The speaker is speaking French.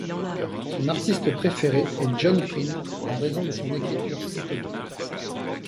Son artiste préféré est John Prine en raison de son écriture étonnante.